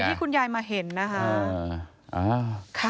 ที่คุณยายมาเห็นนะคะ